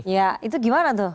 ya itu gimana tuh